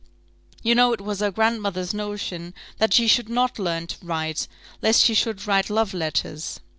You know it was her grandmother's notion that she should not learn to write, lest she should write love letters."